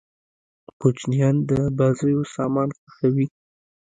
کوچنيان د بازيو سامان خوښيي.